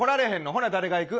ほな誰が行く？